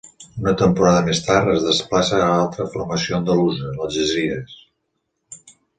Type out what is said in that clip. Una temporada més tard, es desplaça a altra formació andalusa, l'Algesires.